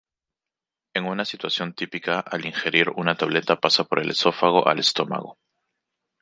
En una situación típica, al ingerir una tableta pasa por el esófago al estómago.